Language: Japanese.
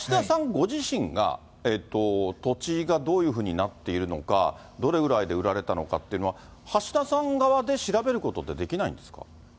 ご自身が土地がどういうふうになっているのか、どれぐらいで売られたのかっていうのは、橋田さん側で調べることってできないんですか。